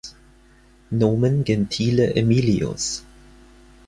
Nomen gentile Aemilius.